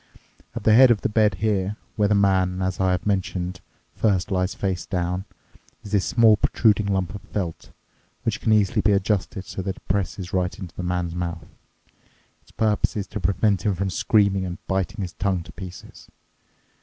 At the head of the bed here, where the man, as I have mentioned, first lies face down, is this small protruding lump of felt, which can easily be adjusted so that it presses right into the man's mouth. Its purpose is to prevent him screaming and biting his tongue to pieces.